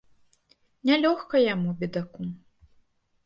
Не лёгка яму, бедаку.